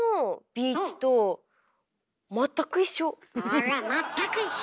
あら「全く一緒」！